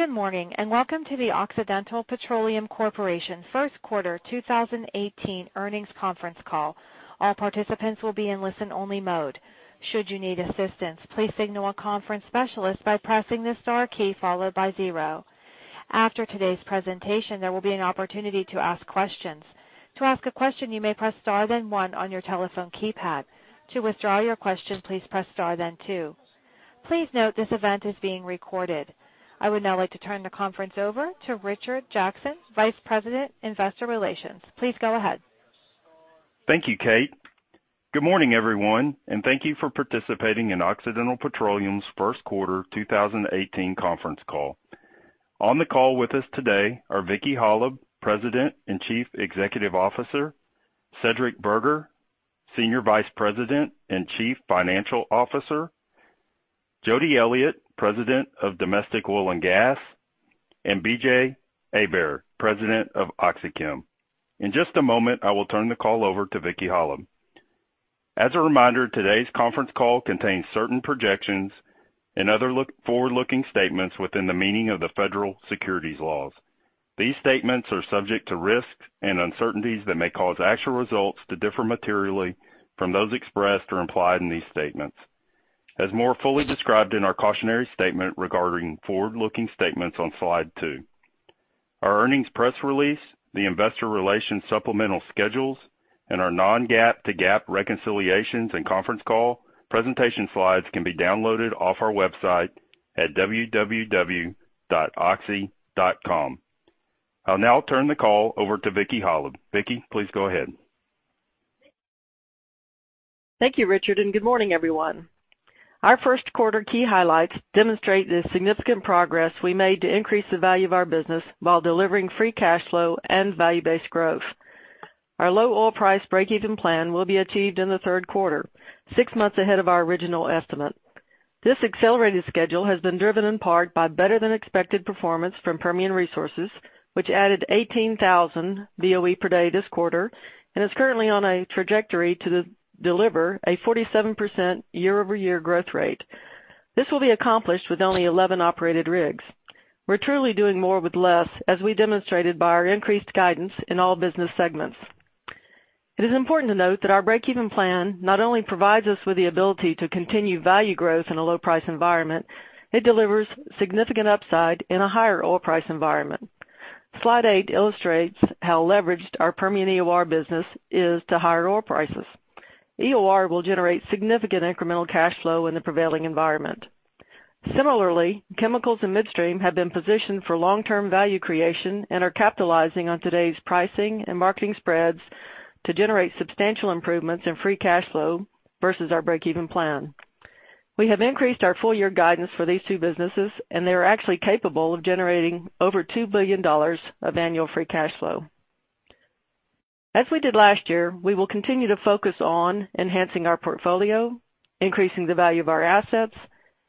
Good morning, welcome to the Occidental Petroleum Corporation first quarter 2018 earnings conference call. All participants will be in listen-only mode. Should you need assistance, please signal a conference specialist by pressing the star key followed by zero. After today's presentation, there will be an opportunity to ask questions. To ask a question, you may press star then one on your telephone keypad. To withdraw your question, please press star then two. Please note this event is being recorded. I would now like to turn the conference over to Richard Jackson, Vice President, Investor Relations. Please go ahead. Thank you, Kate. Good morning, everyone, thank you for participating in Occidental Petroleum's first quarter 2018 conference call. On the call with us today are Vicki Hollub, President and Chief Executive Officer, Cedric Burgher, Senior Vice President and Chief Financial Officer, Jody Elliott, President of Domestic Oil and Gas, and B.J. Hebert, President of OxyChem. In just a moment, I will turn the call over to Vicki Hollub. As a reminder, today's conference call contains certain projections and other forward-looking statements within the meaning of the federal securities laws. These statements are subject to risks and uncertainties that may cause actual results to differ materially from those expressed or implied in these statements, as more fully described in our cautionary statement regarding forward-looking statements on slide two. Our earnings press release, the investor relations supplemental schedules, our non-GAAP to GAAP reconciliations and conference call presentation slides can be downloaded off our website at www.oxy.com. I'll now turn the call over to Vicki Hollub. Vicki, please go ahead. Thank you, Richard, good morning, everyone. Our first quarter key highlights demonstrate the significant progress we made to increase the value of our business while delivering free cash flow and value-based growth. Our low oil price breakeven plan will be achieved in the third quarter, six months ahead of our original estimate. This accelerated schedule has been driven in part by better than expected performance from Permian Resources, which added 18,000 BOE per day this quarter and is currently on a trajectory to deliver a 47% year-over-year growth rate. This will be accomplished with only 11 operated rigs. We're truly doing more with less, as we demonstrated by our increased guidance in all business segments. It is important to note that our breakeven plan not only provides us with the ability to continue value growth in a low price environment, it delivers significant upside in a higher oil price environment. Slide eight illustrates how leveraged our Permian EOR business is to higher oil prices. EOR will generate significant incremental cash flow in the prevailing environment. Similarly, chemicals and midstream have been positioned for long-term value creation and are capitalizing on today's pricing and marketing spreads to generate substantial improvements in free cash flow versus our breakeven plan. We have increased our full year guidance for these two businesses, and they are actually capable of generating over $2 billion of annual free cash flow. As we did last year, we will continue to focus on enhancing our portfolio, increasing the value of our assets,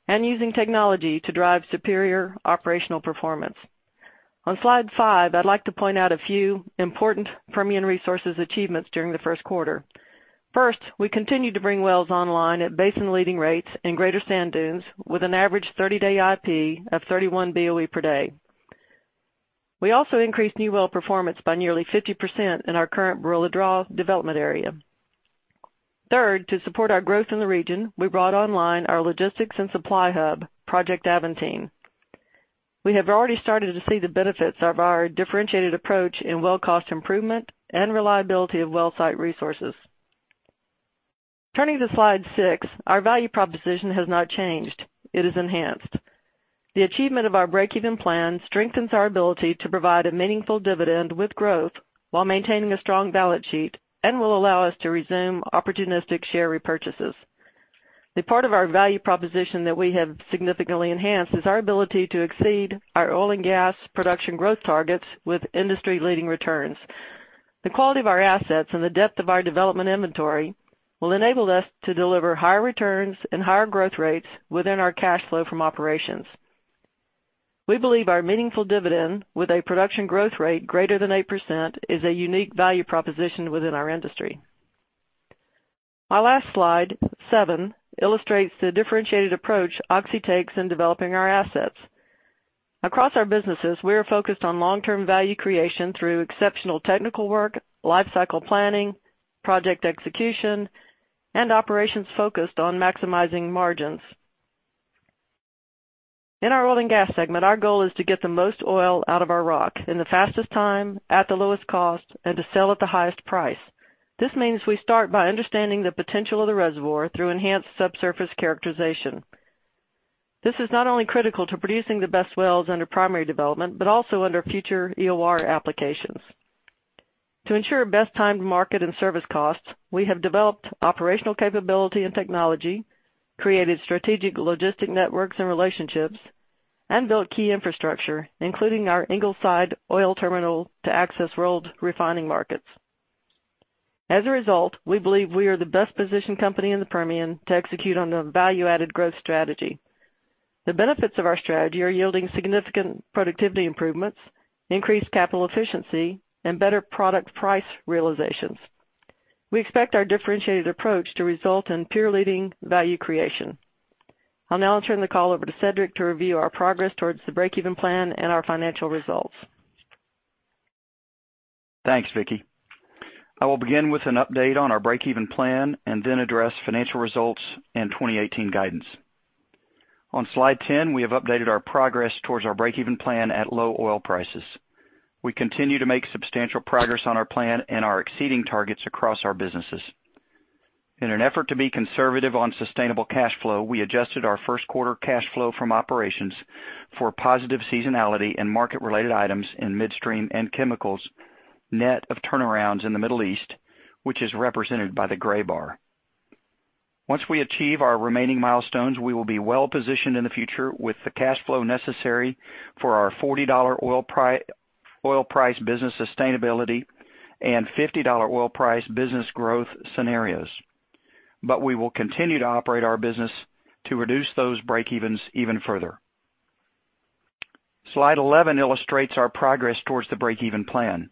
and using technology to drive superior operational performance. On slide five, I'd like to point out a few important Permian Resources achievements during the first quarter. First, we continue to bring wells online at basin-leading rates in Greater Sand Dunes with an average 30-day IP of 3,100 BOE per day. We also increased new well performance by nearly 50% in our current Barilla Draw development area. Third, to support our growth in the region, we brought online our logistics and supply hub, Project Aventine. We have already started to see the benefits of our differentiated approach in well cost improvement and reliability of well site resources. Turning to slide six, our value proposition has not changed. It is enhanced. The achievement of our breakeven plan strengthens our ability to provide a meaningful dividend with growth while maintaining a strong balance sheet and will allow us to resume opportunistic share repurchases. The part of our value proposition that we have significantly enhanced is our ability to exceed our oil and gas production growth targets with industry-leading returns. The quality of our assets and the depth of our development inventory will enable us to deliver higher returns and higher growth rates within our cash flow from operations. We believe our meaningful dividend with a production growth rate greater than 8% is a unique value proposition within our industry. Our last slide, seven, illustrates the differentiated approach Oxy takes in developing our assets. Across our businesses, we are focused on long-term value creation through exceptional technical work, life cycle planning, project execution, and operations focused on maximizing margins. In our oil and gas segment, our goal is to get the most oil out of our rock in the fastest time at the lowest cost, and to sell at the highest price. This means we start by understanding the potential of the reservoir through enhanced subsurface characterization. This is not only critical to producing the best wells under primary development, but also under future EOR applications. To ensure best-timed market and service costs, we have developed operational capability and technology, created strategic logistic networks and relationships, and built key infrastructure, including our Ingleside oil terminal to access world refining markets. As a result, we believe we are the best positioned company in the Permian to execute on the value-added growth strategy. The benefits of our strategy are yielding significant productivity improvements, increased capital efficiency, and better product price realizations. We expect our differentiated approach to result in peer-leading value creation. I'll now turn the call over to Cedric to review our progress towards the breakeven plan and our financial results. Thanks, Vicki. I will begin with an update on our break-even plan and then address financial results and 2018 guidance. On slide 10, we have updated our progress towards our break-even plan at low oil prices. We continue to make substantial progress on our plan and are exceeding targets across our businesses. In an effort to be conservative on sustainable cash flow, we adjusted our first quarter cash flow from operations for positive seasonality and market-related items in midstream and chemicals, net of turnarounds in the Middle East, which is represented by the gray bar. Once we achieve our remaining milestones, we will be well positioned in the future with the cash flow necessary for our $40 oil price business sustainability and $50 oil price business growth scenarios. We will continue to operate our business to reduce those break-evens even further. Slide 11 illustrates our progress towards the break-even plan.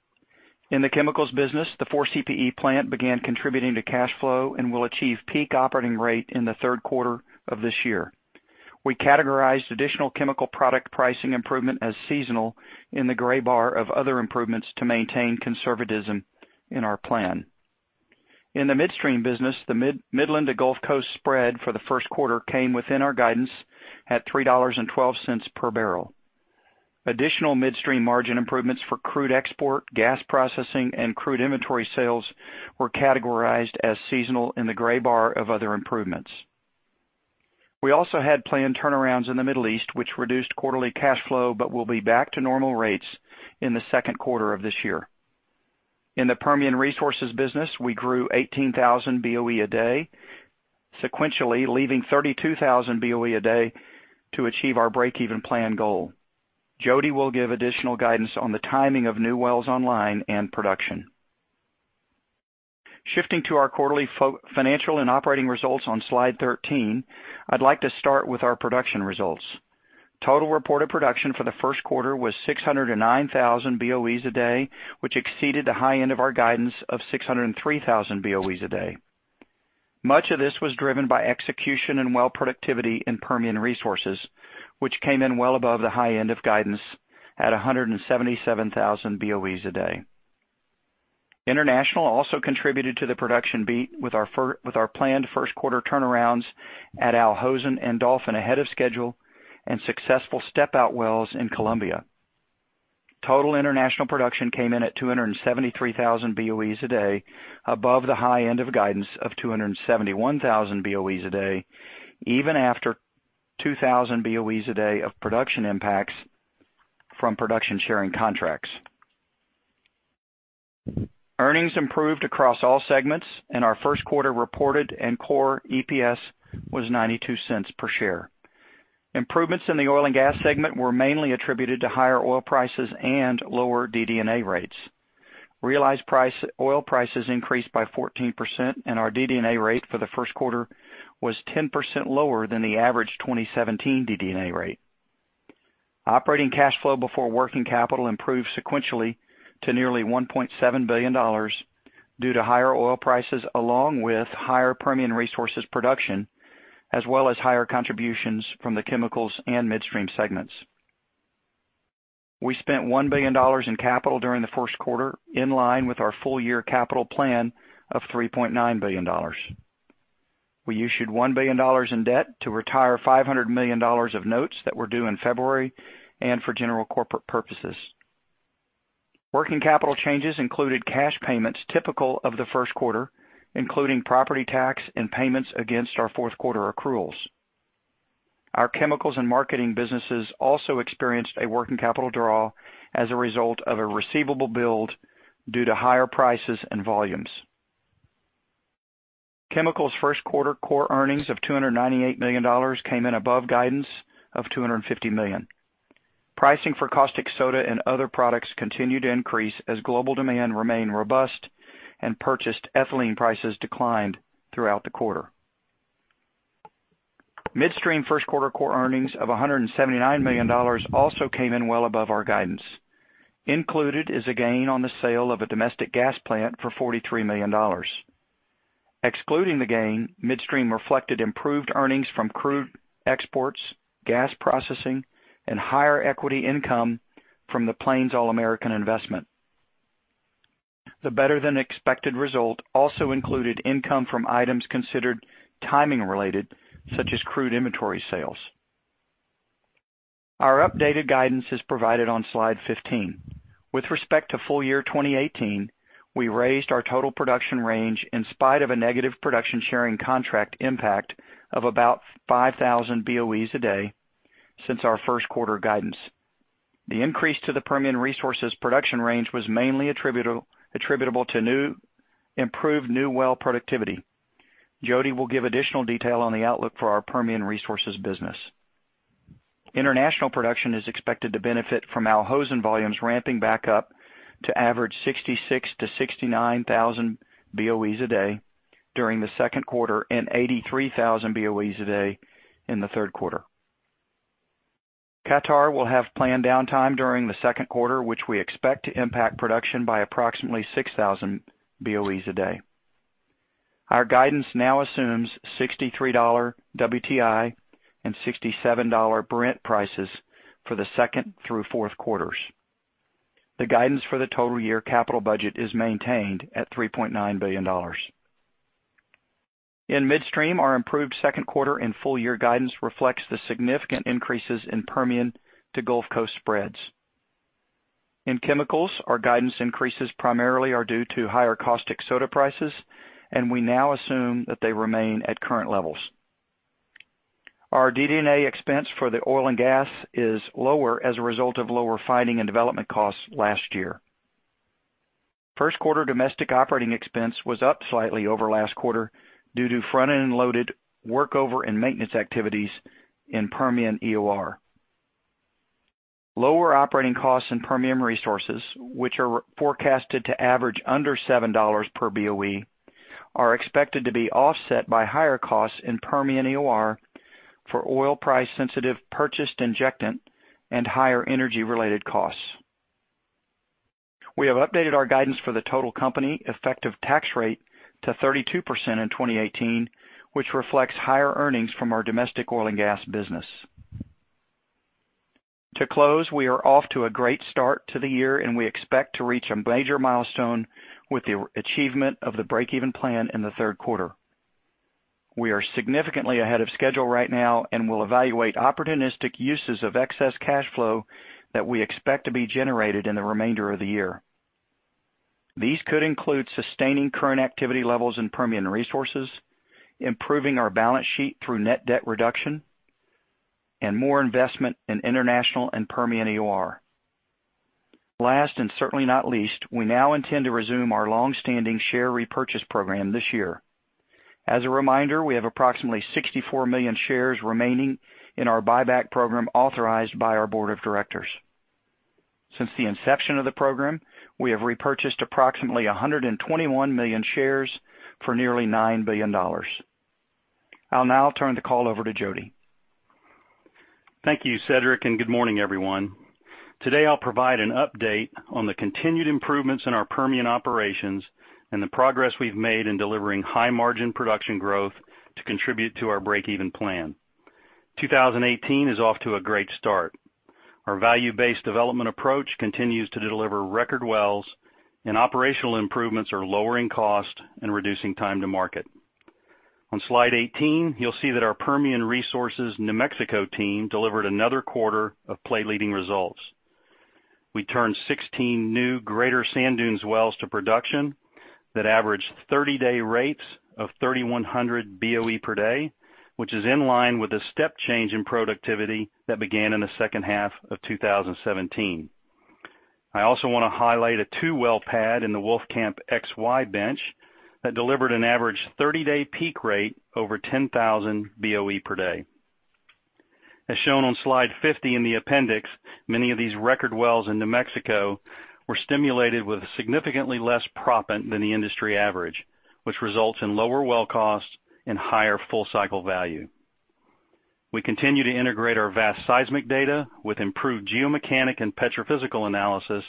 In the chemicals business, the 4CPe plant began contributing to cash flow and will achieve peak operating rate in the third quarter of this year. We categorized additional chemical product pricing improvement as seasonal in the gray bar of other improvements to maintain conservatism in our plan. In the midstream business, the Midland to Gulf Coast spread for the first quarter came within our guidance at $3.12 per barrel. Additional midstream margin improvements for crude export, gas processing, and crude inventory sales were categorized as seasonal in the gray bar of other improvements. We also had planned turnarounds in the Middle East, which reduced quarterly cash flow, but will be back to normal rates in the second quarter of this year. In the Permian Resources business, we grew 18,000 BOE a day, sequentially leaving 32,000 BOE a day to achieve our break-even plan goal. Jody will give additional guidance on the timing of new wells online and production. Shifting to our quarterly financial and operating results on slide 13, I'd like to start with our production results. Total reported production for the first quarter was 609,000 BOEs a day, which exceeded the high end of our guidance of 603,000 BOEs a day. Much of this was driven by execution and well productivity in Permian Resources, which came in well above the high end of guidance at 177,000 BOEs a day. International also contributed to the production beat with our planned first quarter turnarounds at Al Hosn and Dolphin ahead of schedule and successful step-out wells in Colombia. Total international production came in at 273,000 BOEs a day, above the high end of guidance of 271,000 BOEs a day, even after 2,000 BOEs a day of production impacts from production sharing contracts. Earnings improved across all segments, and our first quarter reported and core EPS was $0.92 per share. Improvements in the oil and gas segment were mainly attributed to higher oil prices and lower DD&A rates. Realized oil prices increased by 14%, and our DD&A rate for the first quarter was 10% lower than the average 2017 DD&A rate. Operating cash flow before working capital improved sequentially to nearly $1.7 billion due to higher oil prices, along with higher Permian Resources production, as well as higher contributions from the chemicals and midstream segments. We spent $1 billion in capital during the first quarter, in line with our full year capital plan of $3.9 billion. We issued $1 billion in debt to retire $500 million of notes that were due in February and for general corporate purposes. Working capital changes included cash payments typical of the first quarter, including property tax and payments against our fourth quarter accruals. Our Chemicals and marketing businesses also experienced a working capital draw as a result of a receivable build due to higher prices and volumes. Chemicals first quarter core earnings of $298 million came in above guidance of $250 million. Pricing for caustic soda and other products continued to increase as global demand remained robust and purchased ethylene prices declined throughout the quarter. Midstream first quarter core earnings of $179 million also came in well above our guidance. Included is a gain on the sale of a domestic gas plant for $43 million. Excluding the gain, Midstream reflected improved earnings from crude exports, gas processing, and higher equity income from the Plains All American investment. The better-than-expected result also included income from items considered timing related, such as crude inventory sales. Our updated guidance is provided on slide 15. With respect to full year 2018, we raised our total production range in spite of a negative production sharing contract impact of about 5,000 BOEs a day since our first quarter guidance. The increase to the Permian Resources production range was mainly attributable to improved new well productivity. Jody will give additional detail on the outlook for our Permian Resources business. International production is expected to benefit from Al Hosn volumes ramping back up to average 66,000 to 69,000 BOEs a day during the second quarter and 83,000 BOEs a day in the third quarter. Qatar will have planned downtime during the second quarter, which we expect to impact production by approximately 6,000 BOEs a day. Our guidance now assumes $63 WTI and $67 Brent prices for the second through fourth quarters. The guidance for the total year capital budget is maintained at $3.9 billion. In Midstream, our improved second quarter and full-year guidance reflects the significant increases in Permian to Gulf Coast spreads. In Chemicals, our guidance increases primarily are due to higher caustic soda prices, and we now assume that they remain at current levels. Our DD&A expense for the oil and gas is lower as a result of lower finding and development costs last year. First quarter domestic operating expense was up slightly over last quarter due to front-end loaded workover and maintenance activities in Permian EOR. Lower operating costs in Permian Resources, which are forecasted to average under $7 per BOE, are expected to be offset by higher costs in Permian EOR for oil price sensitive purchased injectant and higher energy-related costs. We have updated our guidance for the total company effective tax rate to 32% in 2018, which reflects higher earnings from our domestic oil and gas business. To close, we are off to a great start to the year, and we expect to reach a major milestone with the achievement of the breakeven plan in the third quarter. We are significantly ahead of schedule right now and will evaluate opportunistic uses of excess cash flow that we expect to be generated in the remainder of the year. These could include sustaining current activity levels in Permian Resources, improving our balance sheet through net debt reduction, and more investment in international and Permian EOR. Last, and certainly not least, we now intend to resume our longstanding share repurchase program this year. As a reminder, we have approximately 64 million shares remaining in our buyback program authorized by our board of directors. Since the inception of the program, we have repurchased approximately 121 million shares for nearly $9 billion. I'll now turn the call over to Jody. Thank you, Cedric, and good morning, everyone. Today, I'll provide an update on the continued improvements in our Permian operations and the progress we've made in delivering high-margin production growth to contribute to our breakeven plan. 2018 is off to a great start. Our value-based development approach continues to deliver record wells, and operational improvements are lowering cost and reducing time to market. On slide 18, you'll see that our Permian Resources New Mexico team delivered another quarter of play-leading results. We turned 16 new Greater Sand Dunes wells to production that averaged 30-day rates of 3,100 BOE per day, which is in line with a step change in productivity that began in the second half of 2017. I also want to highlight a two-well pad in the Wolfcamp XY bench that delivered an average 30-day peak rate over 10,000 BOE per day. As shown on slide 50 in the appendix, many of these record wells in New Mexico were stimulated with significantly less proppant than the industry average, which results in lower well cost and higher full-cycle value. We continue to integrate our vast seismic data with improved geomechanic and petrophysical analysis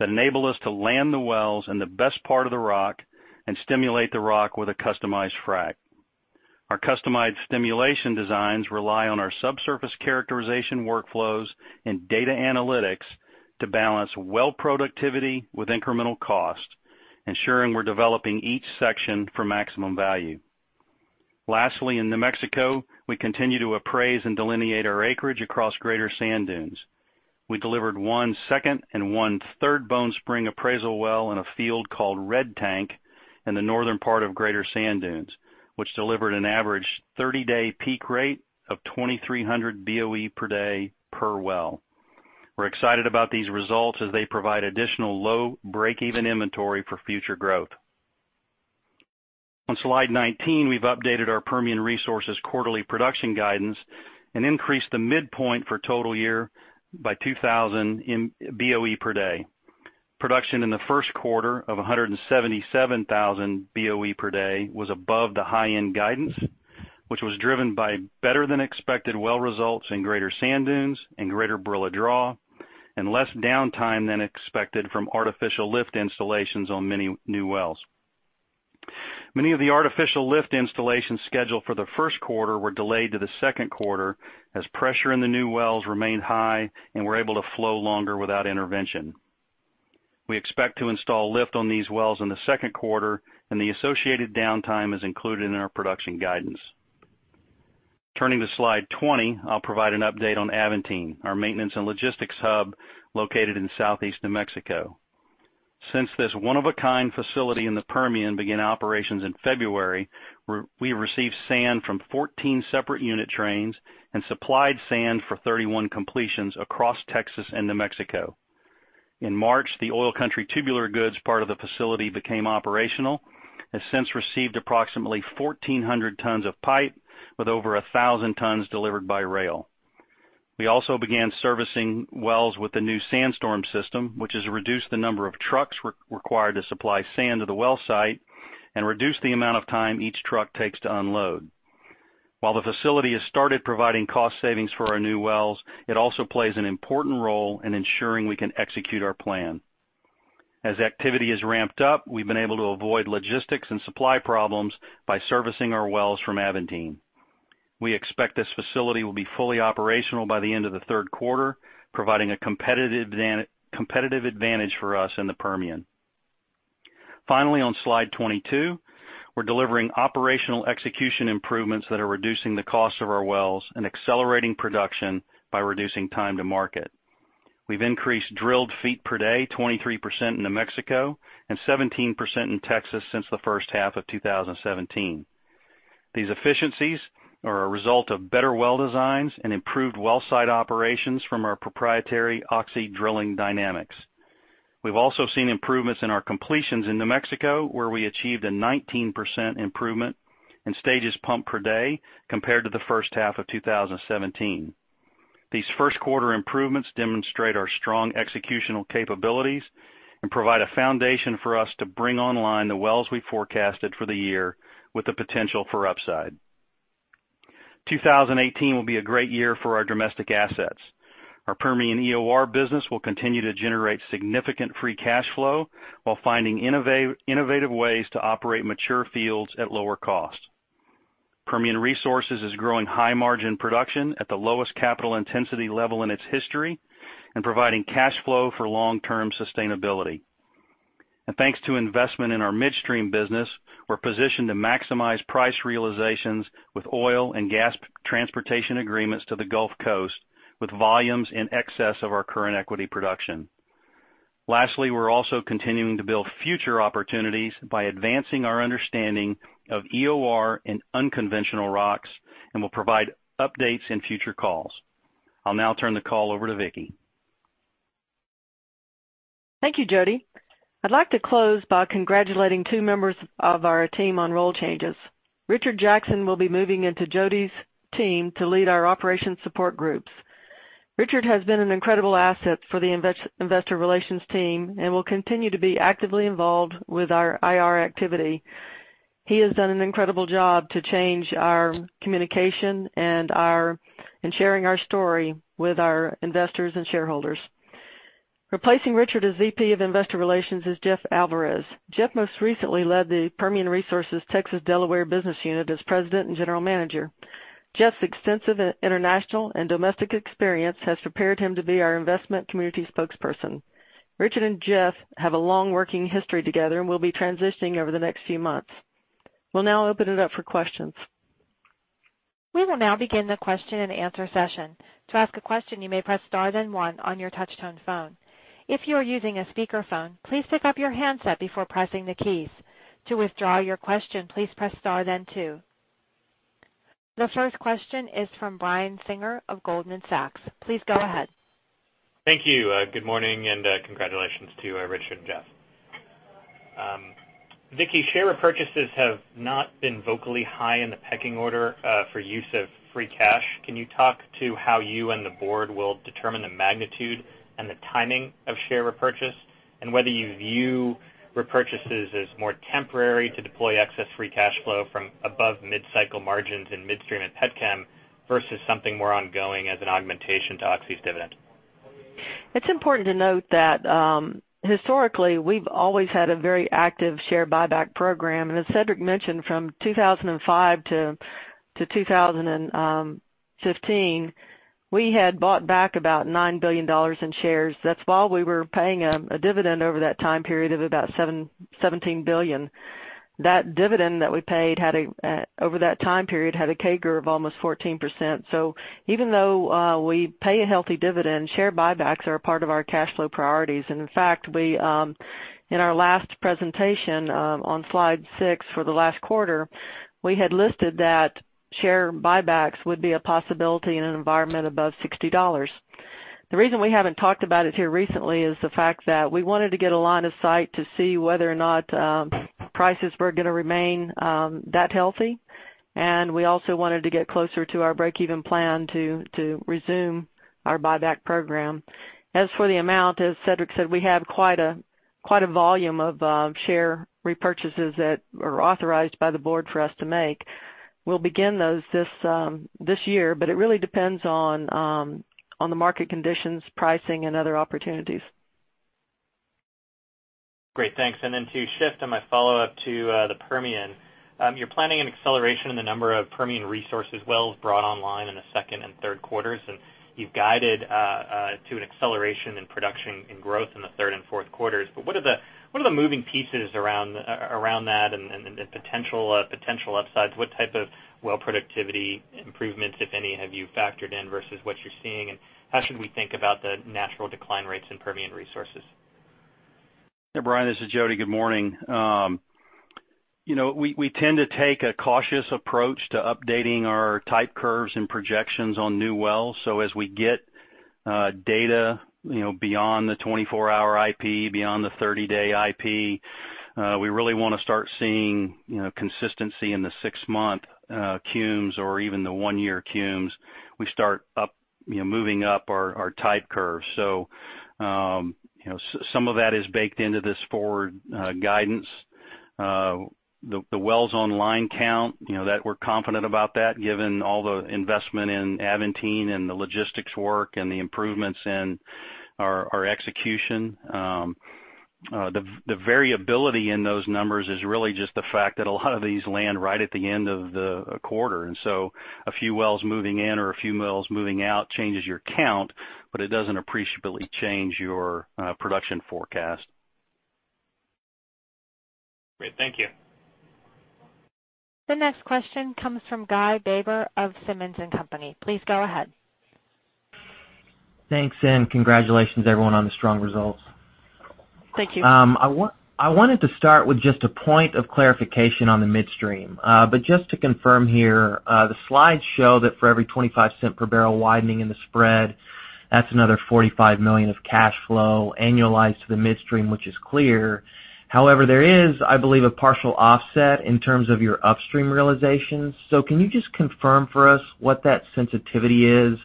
that enable us to land the wells in the best part of the rock and stimulate the rock with a customized frack. Our customized stimulation designs rely on our subsurface characterization workflows and data analytics to balance well productivity with incremental cost, ensuring we're developing each section for maximum value. Lastly, in New Mexico, we continue to appraise and delineate our acreage across Greater Sand Dunes. We delivered one second and one third Bone Spring appraisal well in a field called Red Tank in the northern part of Greater Sand Dunes, which delivered an average 30-day peak rate of 2,300 BOE per day per well. We're excited about these results as they provide additional low breakeven inventory for future growth. On slide 19, we've updated our Permian Resources quarterly production guidance and increased the midpoint for total year by 2,000 in BOE per day. Production in the first quarter of 177,000 BOE per day was above the high-end guidance, which was driven by better than expected well results in Greater Sand Dunes and Greater Barilla Draw and less downtime than expected from artificial lift installations on many new wells. Many of the artificial lift installations scheduled for the first quarter were delayed to the second quarter as pressure in the new wells remained high and were able to flow longer without intervention. We expect to install lift on these wells in the second quarter, and the associated downtime is included in our production guidance. Turning to slide 20, I'll provide an update on Aventine, our maintenance and logistics hub located in Southeast New Mexico. Since this one-of-a-kind facility in the Permian began operations in February, we received sand from 14 separate unit trains and supplied sand for 31 completions across Texas and New Mexico. In March, the oil country tubular goods part of the facility became operational, has since received approximately 1,400 tons of pipe with over 1,000 tons delivered by rail. We also began servicing wells with the new Sandstorm system, which has reduced the number of trucks required to supply sand to the well site and reduce the amount of time each truck takes to unload. While the facility has started providing cost savings for our new wells, it also plays an important role in ensuring we can execute our plan. As activity has ramped up, we've been able to avoid logistics and supply problems by servicing our wells from Aventine. We expect this facility will be fully operational by the end of the third quarter, providing a competitive advantage for us in the Permian. Finally, on Slide 22, we're delivering operational execution improvements that are reducing the cost of our wells and accelerating production by reducing time to market. We've increased drilled feet per day 23% in New Mexico and 17% in Texas since the first half of 2017. These efficiencies are a result of better well designs and improved well site operations from our proprietary Oxy Drilling Dynamics. We've also seen improvements in our completions in New Mexico, where we achieved a 19% improvement in stages pumped per day compared to the first half of 2017. These first quarter improvements demonstrate our strong executional capabilities and provide a foundation for us to bring online the wells we forecasted for the year with the potential for upside. 2018 will be a great year for our domestic assets. Our Permian EOR business will continue to generate significant free cash flow while finding innovative ways to operate mature fields at lower cost. Permian Resources is growing high-margin production at the lowest capital intensity level in its history and providing cash flow for long-term sustainability. Thanks to investment in our midstream business, we're positioned to maximize price realizations with oil and gas transportation agreements to the Gulf Coast, with volumes in excess of our current equity production. Lastly, we're also continuing to build future opportunities by advancing our understanding of EOR in unconventional rocks and will provide updates in future calls. I'll now turn the call over to Vicki. Thank you, Jody. I'd like to close by congratulating two members of our team on role changes. Richard Jackson will be moving into Jody's team to lead our operations support groups. Richard has been an incredible asset for the investor relations team and will continue to be actively involved with our IR activity. He has done an incredible job to change our communication and sharing our story with our investors and shareholders. Replacing Richard as VP of Investor Relations is Jeff Alvarez. Jeff most recently led the Permian Resources Texas Delaware business unit as president and general manager. Jeff's extensive international and domestic experience has prepared him to be our investment community spokesperson. Richard and Jeff have a long working history together and will be transitioning over the next few months. We'll now open it up for questions. We will now begin the question and answer session. To ask a question, you may press star then one on your touch-tone phone. If you are using a speakerphone, please pick up your handset before pressing the keys. To withdraw your question, please press star then two. The first question is from Brian Singer of Goldman Sachs. Please go ahead. Thank you. Good morning, and congratulations to Richard and Jeff. Vicki, share repurchases have not been vocally high in the pecking order for use of free cash. Can you talk to how you and the board will determine the magnitude and the timing of share repurchase, and whether you view repurchases as more temporary to deploy excess free cash flow from above mid-cycle margins in midstream and petchem versus something more ongoing as an augmentation to Oxy's dividend? It's important to note that historically, we've always had a very active share buyback program. As Cedric mentioned, from 2005 to 2015, we had bought back about $9 billion in shares. That's while we were paying a dividend over that time period of about $17 billion. That dividend that we paid over that time period had a CAGR of almost 14%. Even though we pay a healthy dividend, share buybacks are a part of our cash flow priorities. In fact, in our last presentation on Slide six for the last quarter, we had listed that share buybacks would be a possibility in an environment above $60. The reason we haven't talked about it here recently is the fact that we wanted to get a line of sight to see whether or not prices were going to remain that healthy. We also wanted to get closer to our breakeven plan to resume our buyback program. As for the amount, as Cedric said, we have quite a volume of share repurchases that are authorized by the board for us to make. We'll begin those this year, but it really depends on the market conditions, pricing, and other opportunities. Great. Thanks. Then to shift on my follow-up to the Permian. You're planning an acceleration in the number of Permian Resources wells brought online in the second and third quarters, and you've guided to an acceleration in production and growth in the third and fourth quarters. What are the moving pieces around that and the potential upsides? What type of well productivity improvements, if any, have you factored in versus what you're seeing, and how should we think about the natural decline rates in Permian Resources? Brian, this is Jody. Good morning. We tend to take a cautious approach to updating our type curves and projections on new wells. As we get data beyond the 24-hour IP, beyond the 30-day IP, we really want to start seeing consistency in the 6-month cumes or even the one-year cumes. We start moving up our type curves. Some of that is baked into this forward guidance. The wells online count, that we're confident about that, given all the investment in Aventine and the logistics work and the improvements in our execution. A few wells moving in or a few wells moving out changes your count, but it doesn't appreciably change your production forecast. Great. Thank you. The next question comes from Guy Baber of Simmons & Company. Please go ahead. Thanks, congratulations everyone on the strong results. Thank you. I wanted to start with just a point of clarification on the midstream. Just to confirm here, the slides show that for every $0.25 per barrel widening in the spread, that's another $45 million of cash flow annualized to the midstream, which is clear. However, there is, I believe, a partial offset in terms of your upstream realizations. Can you just confirm for us what that sensitivity is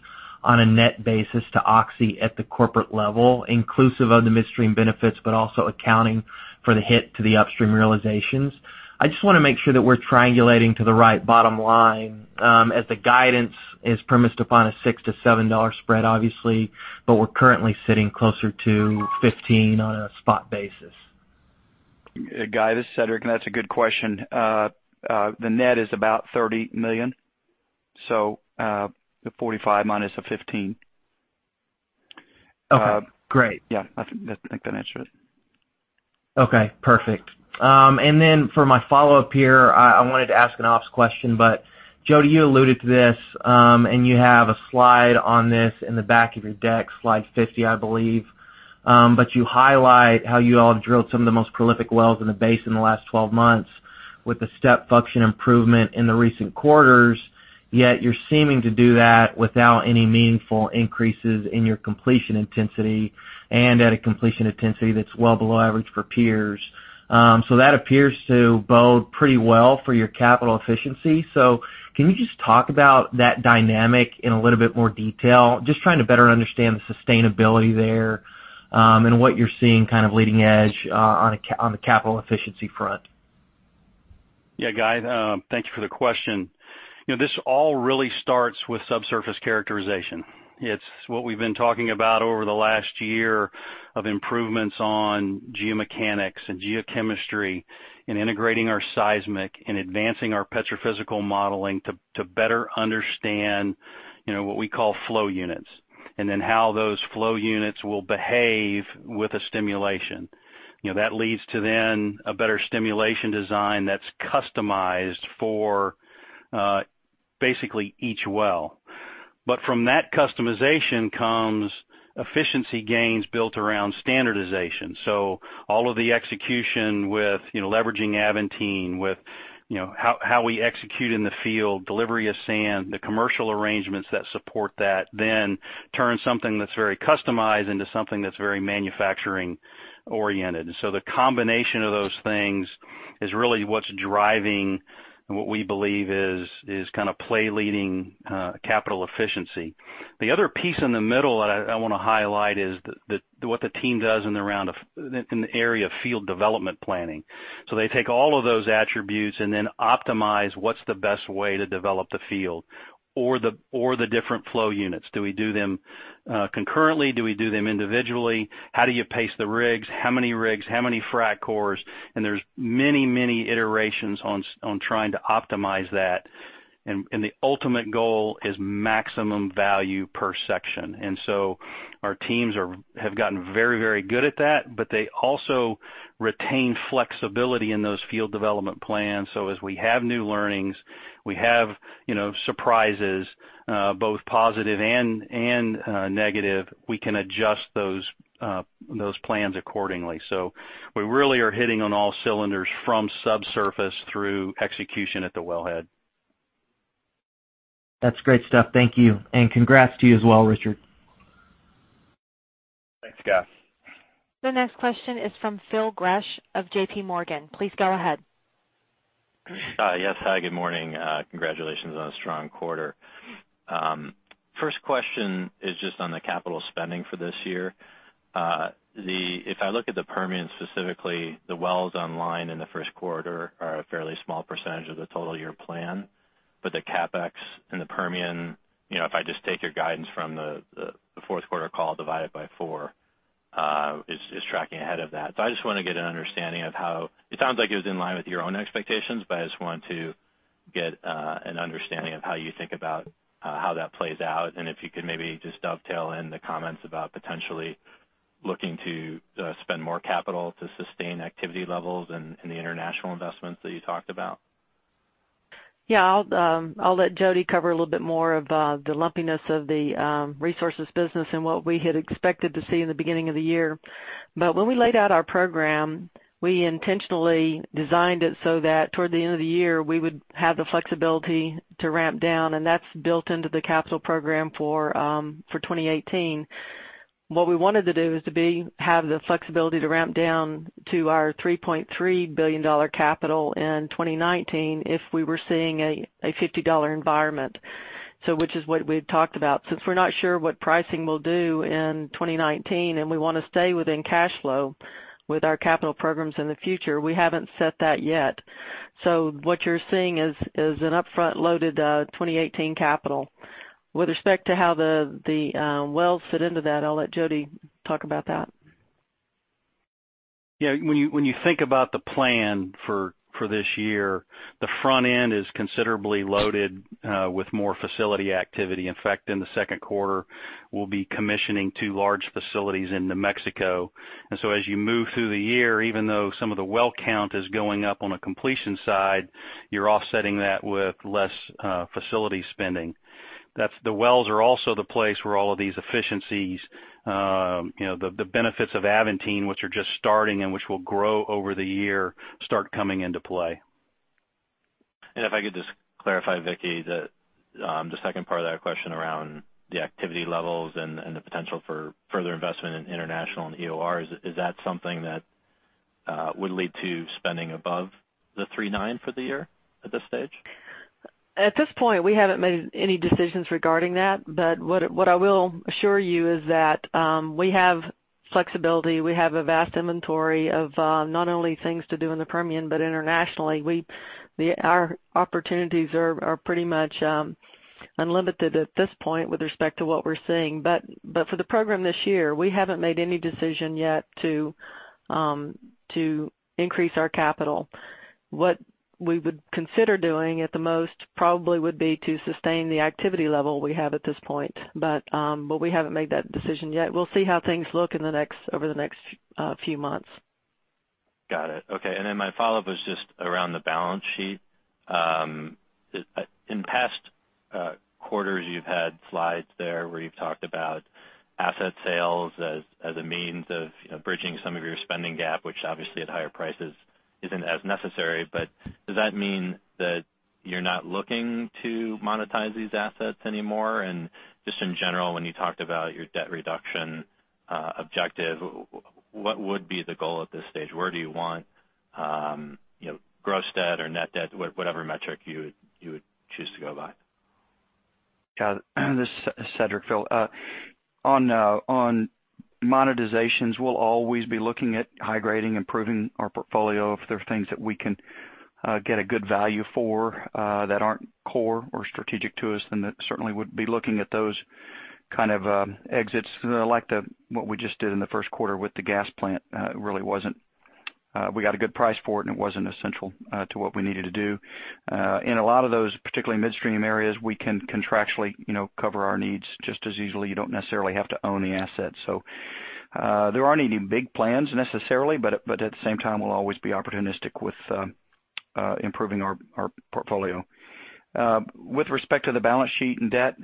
on a net basis to Oxy at the corporate level, inclusive of the midstream benefits, but also accounting for the hit to the upstream realizations? I just want to make sure that we're triangulating to the right bottom line, as the guidance is premised upon a $6-$7 spread, obviously, but we're currently sitting closer to 15 on a spot basis. Guy, this is Cedric, that's a good question. The net is about $30 million, so the 45 minus the 15. Okay, great. Yeah. I think that answers it. Okay, perfect. Then for my follow-up here, I wanted to ask an ops question, but Jody, you alluded to this, and you have a slide on this in the back of your deck, slide 50, I believe. You highlight how you all have drilled some of the most prolific wells in the basin in the last 12 months with the step function improvement in the recent quarters, yet you're seeming to do that without any meaningful increases in your completion intensity and at a completion intensity that's well below average for peers. That appears to bode pretty well for your capital efficiency. Can you just talk about that dynamic in a little bit more detail? Just trying to better understand the sustainability there, and what you're seeing kind of leading edge on the capital efficiency front. Guy, thanks for the question. This all really starts with subsurface characterization. It's what we've been talking about over the last year of improvements on geomechanics and geochemistry and integrating our seismic and advancing our petrophysical modeling to better understand what we call flow units, and then how those flow units will behave with a stimulation. That leads to a better stimulation design that's customized for basically each well. From that customization comes efficiency gains built around standardization. All of the execution with leveraging Aventine, with how we execute in the field, delivery of sand, the commercial arrangements that support that, then turn something that's very customized into something that's very manufacturing-oriented. The combination of those things is really what's driving what we believe is kind of play leading capital efficiency. The other piece in the middle that I want to highlight is what the team does in the area of field development planning. They take all of those attributes and then optimize what's the best way to develop the field or the different flow units. Do we do them concurrently? Do we do them individually? How do you pace the rigs? How many rigs? How many frac cores? There's many iterations on trying to optimize that. The ultimate goal is maximum value per section. Our teams have gotten very good at that, but they also retain flexibility in those field development plans. As we have new learnings, we have surprises, both positive and negative, we can adjust those plans accordingly. We really are hitting on all cylinders from subsurface through execution at the wellhead. That's great stuff. Thank you. Congrats to you as well, Richard. Thanks, Guy. The next question is from Phil Gresh of JPMorgan. Please go ahead. Yes. Hi, good morning. Congratulations on a strong quarter. First question is just on the capital spending for this year. If I look at the Permian specifically, the wells online in the first quarter are a fairly small percentage of the total year plan, but the CapEx in the Permian, if I just take your guidance from the fourth quarter call divided by four, is tracking ahead of that. I just want to get an understanding of how it sounds like it was in line with your own expectations, but I just want to get an understanding of how you think about how that plays out, and if you could maybe just dovetail in the comments about potentially looking to spend more capital to sustain activity levels in the international investments that you talked about. Yeah. I'll let Jody cover a little bit more of the lumpiness of the resources business and what we had expected to see in the beginning of the year. When we laid out our program, we intentionally designed it so that toward the end of the year, we would have the flexibility to ramp down, and that's built into the capital program for 2018. What we wanted to do is to have the flexibility to ramp down to our $3.3 billion capital in 2019 if we were seeing a $50 environment. Which is what we've talked about. Since we're not sure what pricing will do in 2019, and we want to stay within cash flow with our capital programs in the future, we haven't set that yet. What you're seeing is an upfront loaded 2018 capital. With respect to how the wells fit into that, I'll let Jody talk about that. Yeah. When you think about the plan for this year, the front end is considerably loaded with more facility activity. In fact, in the second quarter, we'll be commissioning two large facilities in New Mexico. As you move through the year, even though some of the well count is going up on a completion side, you're offsetting that with less facility spending. The wells are also the place where all of these efficiencies, the benefits of Aventine, which are just starting and which will grow over the year, start coming into play. If I could just clarify, Vicki, the second part of that question around the activity levels and the potential for further investment in international and EOR. Is that something that would lead to spending above the $3.9 for the year at this stage? At this point, we haven't made any decisions regarding that. What I will assure you is that we have flexibility. We have a vast inventory of not only things to do in the Permian, but internationally. Our opportunities are pretty much unlimited at this point with respect to what we're seeing. For the program this year, we haven't made any decision yet to increase our capital. What we would consider doing at the most probably would be to sustain the activity level we have at this point. We haven't made that decision yet. We'll see how things look over the next few months. Got it. Okay. My follow-up is just around the balance sheet. In past quarters, you've had slides there where you've talked about asset sales as a means of bridging some of your spending gap, which obviously at higher prices isn't as necessary. Does that mean that you're not looking to monetize these assets anymore? Just in general, when you talked about your debt reduction objective, what would be the goal at this stage? Where do you want gross debt or net debt, whatever metric you would choose to go by? Got it. This is Cedric Burgher. On monetizations, we'll always be looking at high grading, improving our portfolio. If there are things that we can get a good value for that aren't core or strategic to us, then that certainly would be looking at those kind of exits like what we just did in the first quarter with the gas plant. We got a good price for it, and it wasn't essential to what we needed to do. In a lot of those, particularly midstream areas, we can contractually cover our needs just as easily. You don't necessarily have to own the asset. There aren't any big plans necessarily, but at the same time, we'll always be opportunistic with improving our portfolio. With respect to the balance sheet and debt,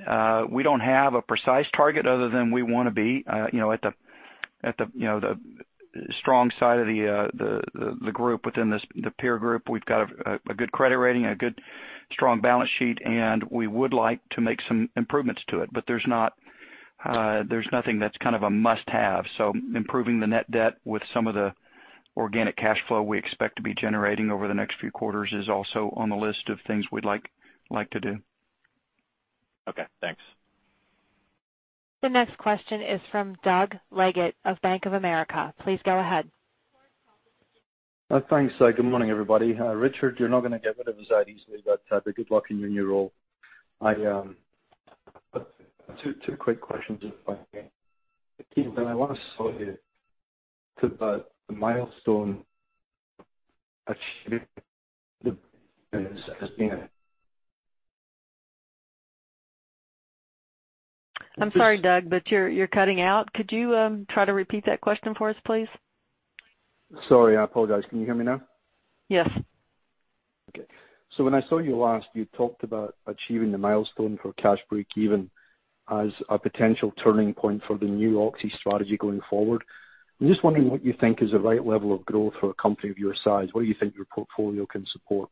we don't have a precise target other than we want to be at the strong side of the group within the peer group. We've got a good credit rating, a good, strong balance sheet. We would like to make some improvements to it. There's nothing that's kind of a must-have. Improving the net debt with some of the organic cash flow we expect to be generating over the next few quarters is also on the list of things we'd like to do. Okay, thanks. The next question is from Douglas Leggate of Bank of America. Please go ahead. Thanks. Good morning, everybody. Richard, you're not going to get rid of us that easily, but good luck in your new role. Two quick questions if I may. Vicki, when I last saw you, talked about the milestone achievement. I'm sorry, Doug, you're cutting out. Could you try to repeat that question for us, please? Sorry, I apologize. Can you hear me now? Yes. When I saw you last, you talked about achieving the milestone for cash breakeven as a potential turning point for the new Oxy strategy going forward. I'm just wondering what you think is the right level of growth for a company of your size. What do you think your portfolio can support?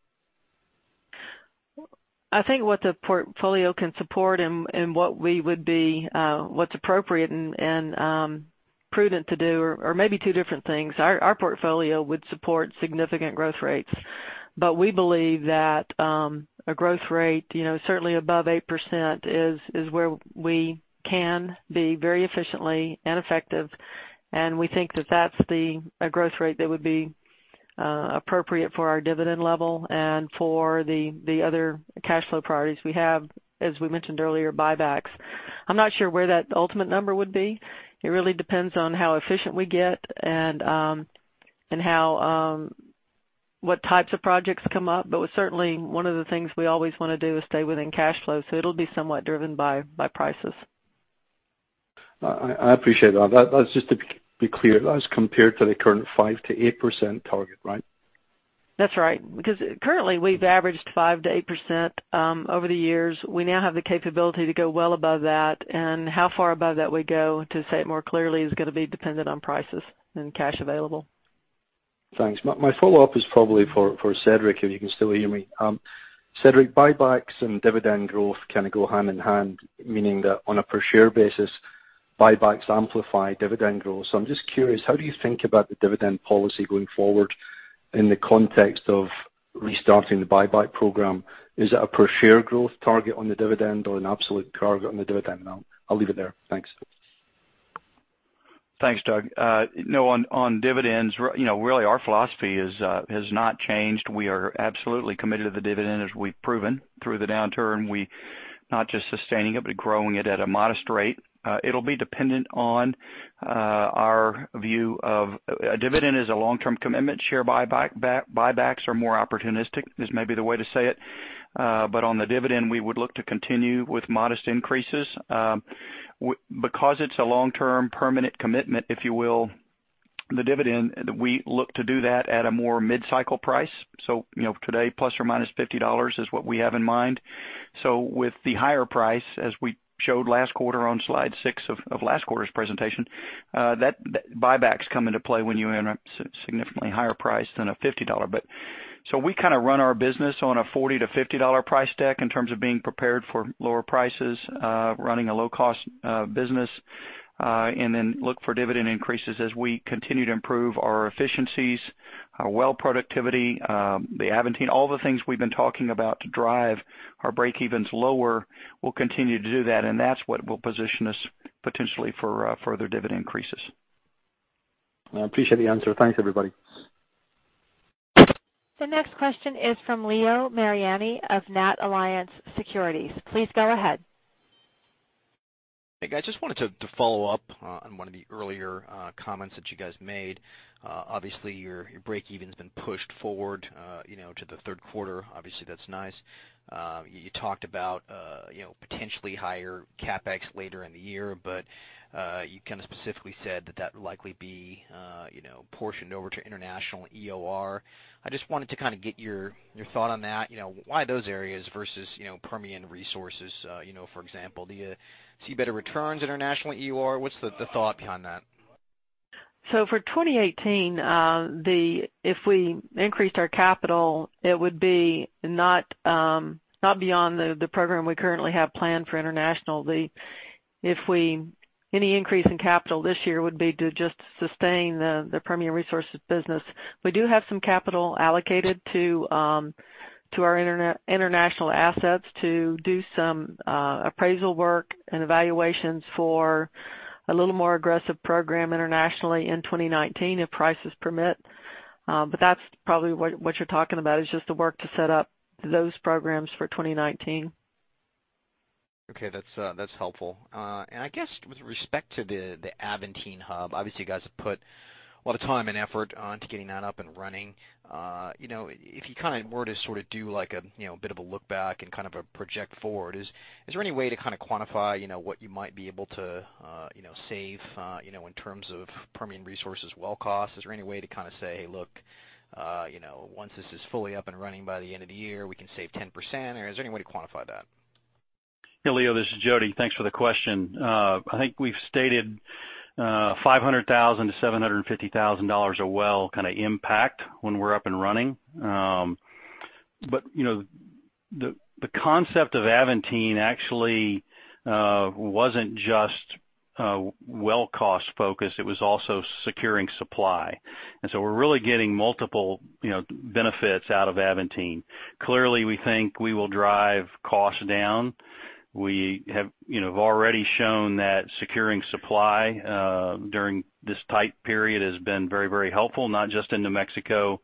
I think what the portfolio can support and what's appropriate and prudent to do are maybe two different things. Our portfolio would support significant growth rates. We believe that a growth rate certainly above 8% is where we can be very efficiently and effective, and we think that that's a growth rate that would be appropriate for our dividend level and for the other cash flow priorities we have, as we mentioned earlier, buybacks. I'm not sure where that ultimate number would be. It really depends on how efficient we get and what types of projects come up. Certainly, one of the things we always want to do is stay within cash flow, so it'll be somewhat driven by prices. I appreciate that. Just to be clear, that's compared to the current 5%-8% target, right? That's right. Currently, we've averaged 5%-8% over the years. We now have the capability to go well above that, and how far above that we go, to say it more clearly, is going to be dependent on prices and cash available. Thanks. My follow-up is probably for Cedric, if you can still hear me. Cedric, buybacks and dividend growth kind of go hand in hand, meaning that on a per share basis. Buybacks amplify dividend growth. I'm just curious, how do you think about the dividend policy going forward in the context of restarting the buyback program? Is it a per share growth target on the dividend or an absolute target on the dividend? I'll leave it there. Thanks. Thanks, Doug. On dividends, really our philosophy has not changed. We are absolutely committed to the dividend, as we've proven through the downturn. Not just sustaining it, but growing it at a modest rate. It'll be dependent on our view of. A dividend is a long-term commitment. Share buybacks are more opportunistic, is maybe the way to say it. On the dividend, we would look to continue with modest increases. Because it's a long-term permanent commitment, if you will, the dividend, we look to do that at a more mid-cycle price. Today, ±$50 is what we have in mind. With the higher price, as we showed last quarter on slide six of last quarter's presentation, buybacks come into play when you enter a significantly higher price than a $50. We kind of run our business on a $40-$50 price tag in terms of being prepared for lower prices, running a low-cost business, then look for dividend increases as we continue to improve our efficiencies, our well productivity, the Aventine. All the things we've been talking about to drive our breakevens lower, we'll continue to do that's what will position us potentially for further dividend increases. I appreciate the answer. Thanks, everybody. The next question is from Leo Mariani of NatAlliance Securities. Please go ahead. Hey, guys. Just wanted to follow up on one of the earlier comments that you guys made. Obviously, your breakeven's been pushed forward to the third quarter. Obviously, that's nice. You talked about potentially higher CapEx later in the year, but you kind of specifically said that that would likely be portioned over to international EOR. I just wanted to kind of get your thought on that. Why those areas versus Permian Resources, for example? Do you see better returns international EOR? What's the thought behind that? For 2018, if we increased our capital, it would be not beyond the program we currently have planned for international. Any increase in capital this year would be to just sustain the Permian Resources business. We do have some capital allocated to our international assets to do some appraisal work and evaluations for a little more aggressive program internationally in 2019 if prices permit. That's probably what you're talking about, is just the work to set up those programs for 2019. Okay. That's helpful. I guess with respect to the Aventine hub, obviously you guys have put a lot of time and effort onto getting that up and running. If you kind of were to sort of do a bit of a look back and kind of a project forward, is there any way to kind of quantify what you might be able to save in terms of Permian Resources well cost? Is there any way to kind of say, "Look, once this is fully up and running by the end of the year, we can save 10%," or is there any way to quantify that? Hey, Leo, this is Jody. Thanks for the question. I think we've stated $500,000 to $750,000 a well kind of impact when we're up and running. The concept of Aventine actually wasn't just well cost focus, it was also securing supply. We're really getting multiple benefits out of Aventine. Clearly, we think we will drive costs down. We have already shown that securing supply during this tight period has been very helpful, not just in New Mexico,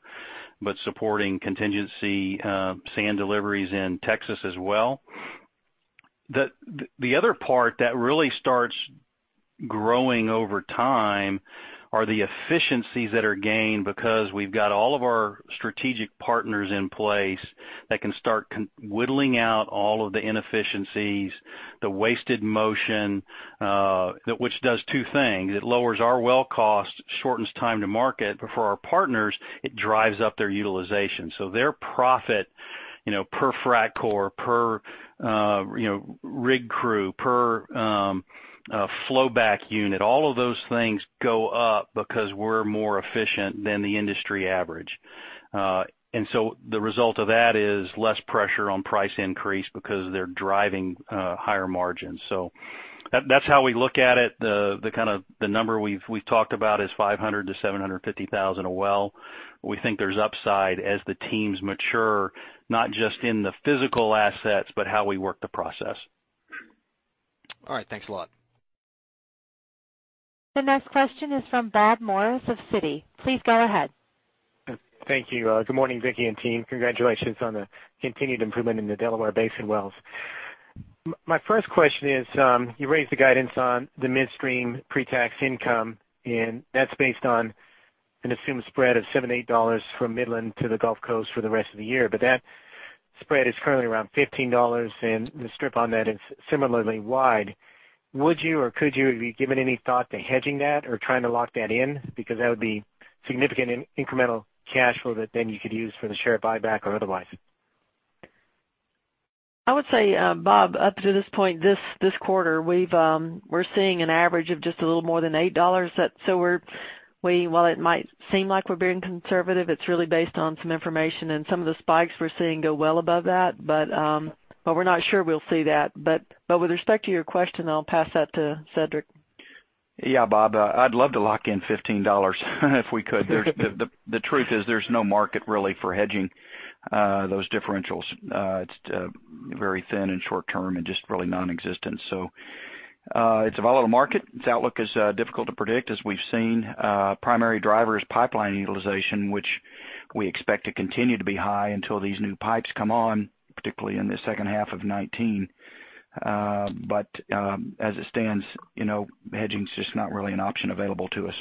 but supporting contingency sand deliveries in Texas as well. The other part that really starts growing over time are the efficiencies that are gained, because we've got all of our strategic partners in place that can start whittling out all of the inefficiencies, the wasted motion, which does two things. It lowers our well cost, shortens time to market. For our partners, it drives up their utilization. Their profit per frac core, per rig crew, per flow back unit, all of those things go up because we're more efficient than the industry average. The result of that is less pressure on price increase because they're driving higher margins. That's how we look at it. The number we've talked about is 500,000 to 750,000 a well. We think there's upside as the teams mature, not just in the physical assets, but how we work the process. All right. Thanks a lot. The next question is from Bob Morris of Citi. Please go ahead. Thank you. Good morning, Vicki and team. Congratulations on the continued improvement in the Delaware Basin wells. My first question is, you raised the guidance on the midstream pre-tax income, that's based on an assumed spread of $7 to $8 from Midland to the Gulf Coast for the rest of the year. That spread is currently around $15, and the strip on that is similarly wide. Have you given any thought to hedging that or trying to lock that in? That would be significant incremental cash flow that then you could use for the share buyback or otherwise. I would say, Bob, up to this point this quarter, we're seeing an average of just a little more than $8. While it might seem like we're being conservative, it's really based on some information and some of the spikes we're seeing go well above that, but we're not sure we'll see that. With respect to your question, I'll pass that to Cedric. Yeah, Bob, I'd love to lock in $15 if we could. The truth is, there's no market really for hedging those differentials. It's very thin and short term and just really nonexistent. It's a volatile market. Its outlook is difficult to predict as we've seen. Primary driver is pipeline utilization, which we expect to continue to be high until these new pipes come on, particularly in the second half of 2019. As it stands, hedging is just not really an option available to us.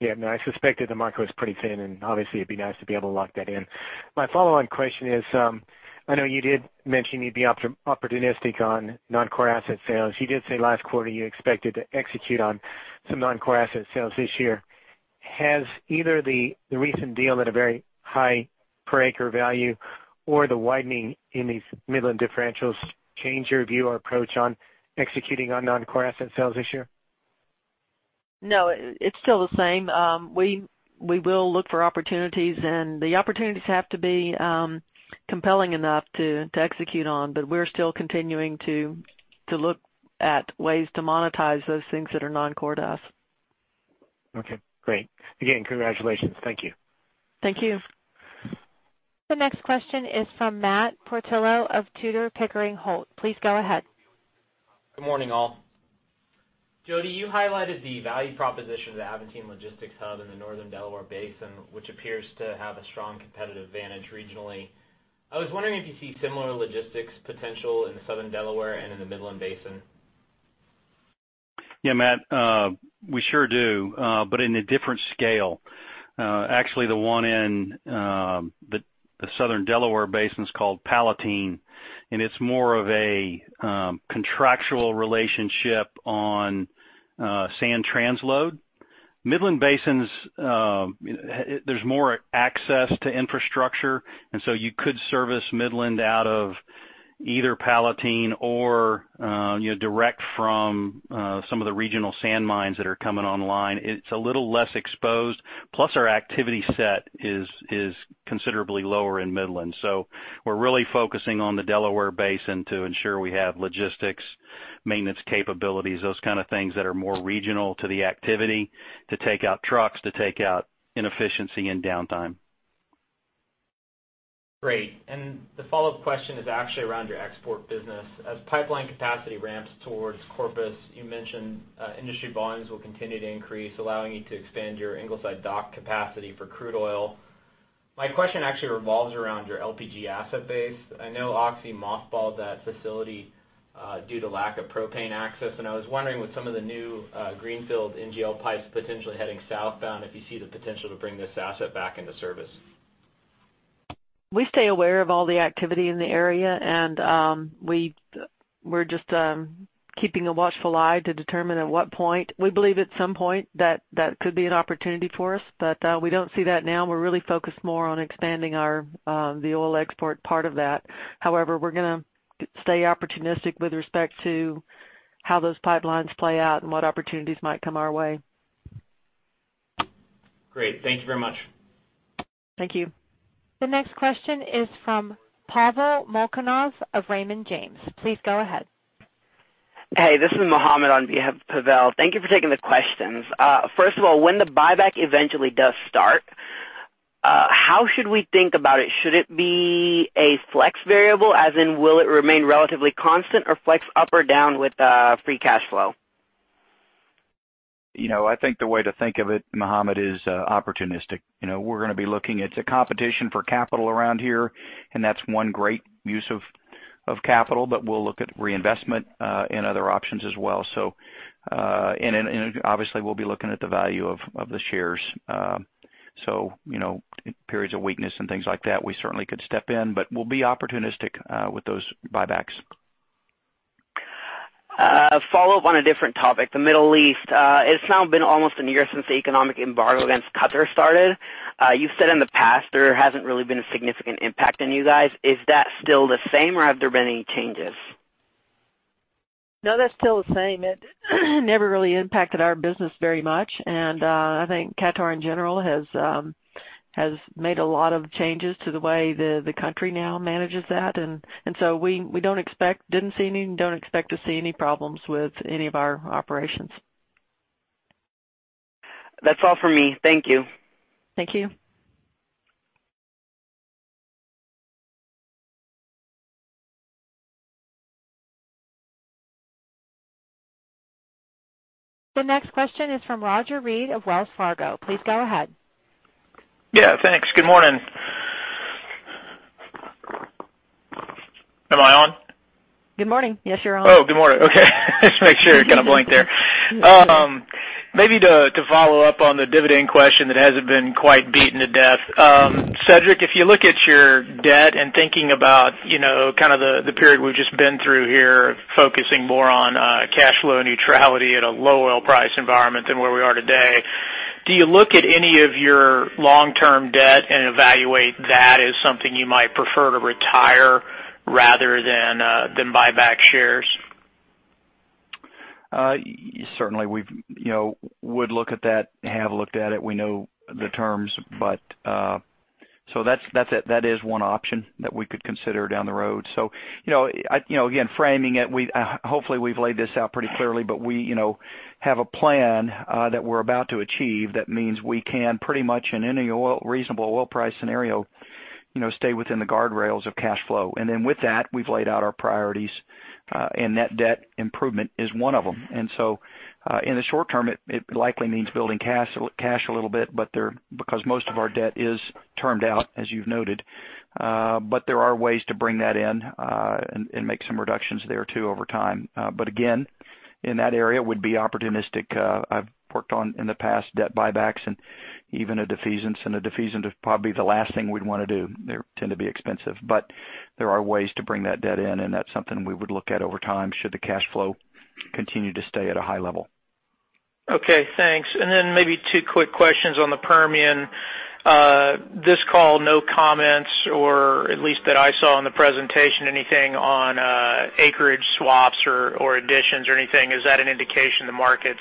Yeah. No, I suspected the market was pretty thin, and obviously it'd be nice to be able to lock that in. My follow-on question is, I know you did mention you'd be opportunistic on non-core asset sales. You did say last quarter you expected to execute on some non-core asset sales this year. Has either the recent deal at a very high per acre value or the widening in these Midland differentials changed your view or approach on executing on non-core asset sales this year? No, it's still the same. We will look for opportunities, the opportunities have to be compelling enough to execute on. We're still continuing to look at ways to monetize those things that are non-core to us. Okay, great. Again, congratulations. Thank you. Thank you. The next question is from Matt Portillo of Tudor, Pickering, Holt. Please go ahead. Good morning, all. Jody, you highlighted the value proposition of the Aventine logistics hub in the northern Delaware Basin, which appears to have a strong competitive advantage regionally. I was wondering if you see similar logistics potential in the southern Delaware and in the Midland Basin. Yeah, Matt, we sure do, in a different scale. Actually, the one in the southern Delaware Basin is called Palatine, and it's more of a contractual relationship on sand transload. Midland Basin, there's more access to infrastructure, you could service Midland out of either Palatine or direct from some of the regional sand mines that are coming online. It's a little less exposed. Plus, our activity set is considerably lower in Midland, we're really focusing on the Delaware Basin to ensure we have logistics, maintenance capabilities, those kind of things that are more regional to the activity to take out trucks, to take out inefficiency and downtime. Great. The follow-up question is actually around your export business. As pipeline capacity ramps towards Corpus, you mentioned industry volumes will continue to increase, allowing you to expand your Ingleside dock capacity for crude oil. My question actually revolves around your LPG asset base. I know Oxy mothballed that facility due to lack of propane access, I was wondering with some of the new greenfield NGL pipes potentially heading southbound, if you see the potential to bring this asset back into service. We stay aware of all the activity in the area, we're just keeping a watchful eye to determine at what point. We believe at some point that could be an opportunity for us. We don't see that now, we're really focused more on expanding the oil export part of that. However, we're going to stay opportunistic with respect to how those pipelines play out and what opportunities might come our way. Great. Thank you very much. Thank you. The next question is from Pavel Molchanov of Raymond James. Please go ahead. Hey, this is Mohammed on behalf of Pavel. Thank you for taking the questions. First of all, when the buyback eventually does start, how should we think about it? Should it be a flex variable, as in will it remain relatively constant or flex up or down with free cash flow? I think the way to think of it, Mohammed, is opportunistic. We're going to be looking at the competition for capital around here, and that's one great use of capital, but we'll look at reinvestment and other options as well. Obviously, we'll be looking at the value of the shares. Periods of weakness and things like that, we certainly could step in, but we'll be opportunistic with those buybacks. A follow-up on a different topic, the Middle East. It's now been almost a year since the economic embargo against Qatar started. You've said in the past there hasn't really been a significant impact on you guys. Is that still the same or have there been any changes? No, that's still the same. It never really impacted our business very much, and I think Qatar in general has made a lot of changes to the way the country now manages that. We didn't see any and don't expect to see any problems with any of our operations. That's all for me. Thank you. Thank you. The next question is from Roger Read of Wells Fargo. Please go ahead. Yeah, thanks. Good morning. Am I on? Good morning. Yes, you're on. Oh, good morning. Okay. Just making sure. Kind of blank there. Maybe to follow up on the dividend question that hasn't been quite beaten to death. Cedric, if you look at your debt and thinking about the period we've just been through here, focusing more on cash flow neutrality at a low oil price environment than where we are today, do you look at any of your long-term debt and evaluate that as something you might prefer to retire rather than buy back shares? Certainly, we would look at that, have looked at it. We know the terms. That is one option that we could consider down the road. Again, framing it, hopefully we've laid this out pretty clearly, but we have a plan that we're about to achieve that means we can pretty much in any reasonable oil price scenario, stay within the guardrails of cash flow. With that, we've laid out our priorities, and net debt improvement is one of them. In the short term, it likely means building cash a little bit, because most of our debt is termed out, as you've noted. There are ways to bring that in, and make some reductions there too over time. Again, in that area would be opportunistic. I've worked on, in the past, debt buybacks and even a defeasance, a defeasance is probably the last thing we'd want to do. They tend to be expensive. There are ways to bring that debt in, and that's something we would look at over time, should the cash flow continue to stay at a high level. Okay, thanks. Maybe two quick questions on the Permian. This call, no comments, or at least that I saw in the presentation, anything on acreage swaps or additions or anything. Is that an indication the market's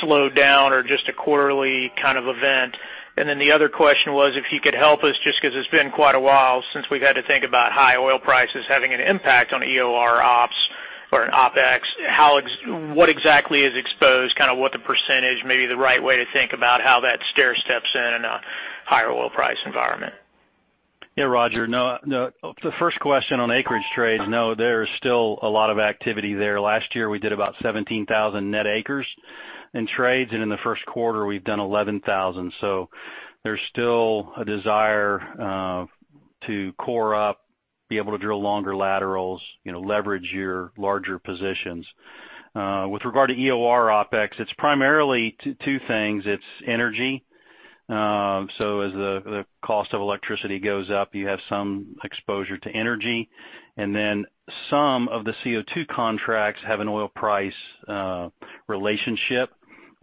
slowed down or just a quarterly kind of event? The other question was, if you could help us, just because it's been quite a while since we've had to think about high oil prices having an impact on EOR ops or in OpEx, what exactly is exposed? Kind of what the percentage, maybe the right way to think about how that stairsteps in a higher oil price environment. Yeah, Roger. The first question on acreage trades, no, there is still a lot of activity there. Last year, we did about 17,000 net acres in trades, and in the first quarter, we've done 11,000. There's still a desire to core up, be able to drill longer laterals, leverage your larger positions. With regard to EOR OpEx, it's primarily two things. It's energy. As the cost of electricity goes up, you have some exposure to energy. Some of the CO2 contracts have an oil price relationship.